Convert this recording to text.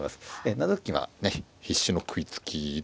７六銀は必死の食いつきで。